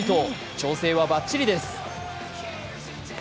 調整はばっちりです。